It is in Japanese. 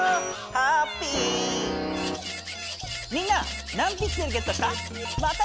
みんな何ピクセルゲットした？